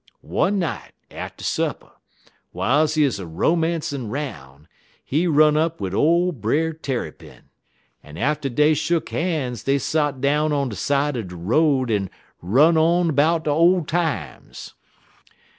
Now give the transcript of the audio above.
One night atter supper, w'iles he 'uz romancin' 'roun', he run up wid ole Brer Tarrypin, en atter dey shuck han's dey sot down on de side er de road en run on 'bout ole times.